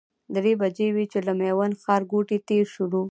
درې بجې وې چې له میوند ښارګوټي تېر شولو.